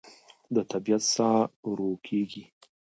د طبیعت ساه ورو کېږي